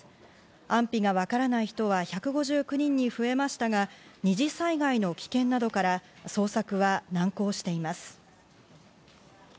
安否がわからない人は１５９人に増えましたが、二次災害の危険などから捜索は難航しています。